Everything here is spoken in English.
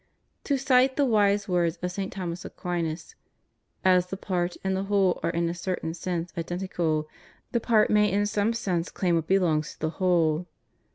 To cite the wise words of St. Thomas of Aquin: "As the part and the whole are in a certain sense identical, the part may in some sense claim what belongs to the whole."